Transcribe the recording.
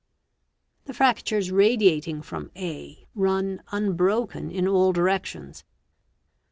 The fractures radiating from a run unbroken in all directions.